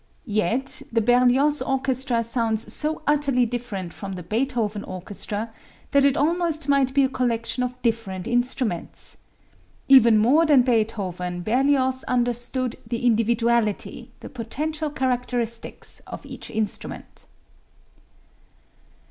Yet the Berlioz orchestra sounds so utterly different from the Beethoven orchestra that it almost might be a collection of different instruments. Even more than Beethoven, Berlioz understood the individuality, the potential characteristics of each instrument.